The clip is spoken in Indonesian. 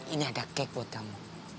ini ada kek buat kamu